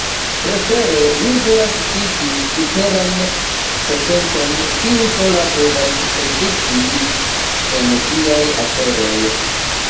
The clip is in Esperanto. Prefere mi volas fidi superan potencon, kiu sola povas efiki en tiaj aferoj.